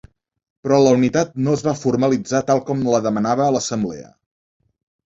Però la unitat no es va formalitzar tal com la demanava l’assemblea.